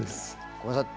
ごめんなさい。